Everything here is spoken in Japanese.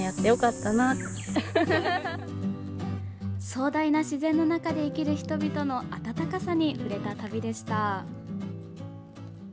壮大な自然の中で生きる人々の温かさに触れた旅でした。